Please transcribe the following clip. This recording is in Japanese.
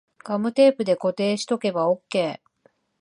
ガムテープで固定しとけばオッケー